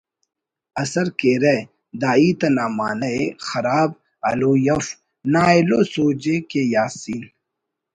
اثر کیرہ (داہیت انا معنہ ءِ خراب ہلوئی اف) نا ایلو سوج ءِ کہ یاسین